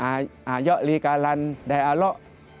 อาเยาะรีการันไดอาละ